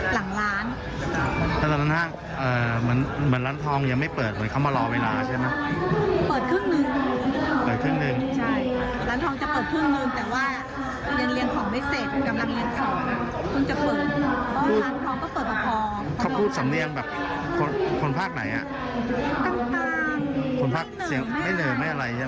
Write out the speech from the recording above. คนพลักษณ์ไหนคนพลักษณ์เสียงไม่เหนื่อยไม่อะไรใช่ไหม